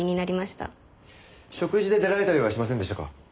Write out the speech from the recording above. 食事で出られたりはしませんでしたか？